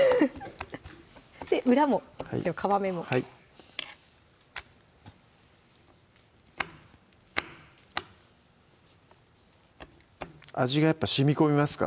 裏も皮目もはい味がやっぱしみこみますか？